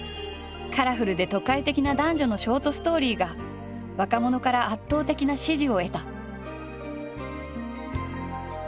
カラフルで都会的な男女のショートストーリーが若者から圧倒的な支持を得た。